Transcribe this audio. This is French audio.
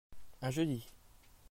Un jeudi.